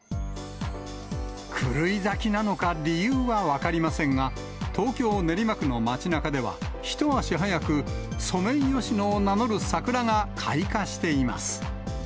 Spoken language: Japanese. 狂い咲きなのか、理由は分かりませんが、東京・練馬区の街なかでは、一足早く、ソメイヨシノを名乗る桜が開花しています。